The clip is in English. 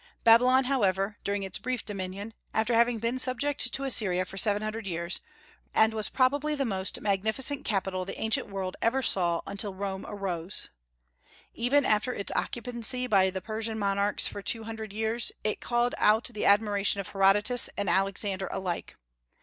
Babylon, however, during its brief dominion, after having been subject to Assyria for seven hundred years, reappeared in unparalleled splendor, and was probably the most magnificent capital the ancient world ever saw until Rome arose. Even after its occupancy by the Persian monarchs for two hundred years, it called out the admiration of Herodotus and Alexander alike.